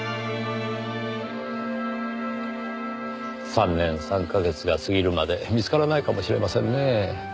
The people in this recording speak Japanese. ３年３か月が過ぎるまで見つからないかもしれませんねぇ。